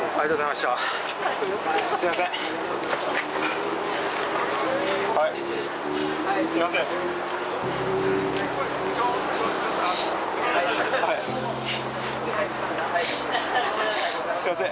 すみません。